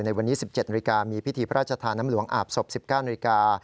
ในวันนี้๑๗นาฬิกามีพิธีพระราชทานน้ำหลวงอาบศพ๑๙นาฬิกา